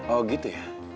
oh gitu ya